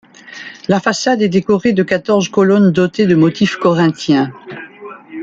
La façade est décorée de quatorze colonnes dotées de motifs corinthiens.